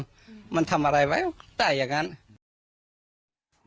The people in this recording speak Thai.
หลังจากน้องสาวเปิดเผยเรื่องนี้นะครับ